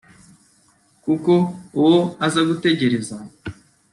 kuko uwo azagutegereza